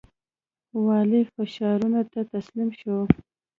والي فشارونو ته تسلیم شو.